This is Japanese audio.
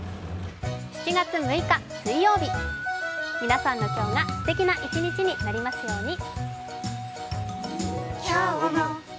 ７月６日水曜日、皆さんの今日がすてきな一日になりますように。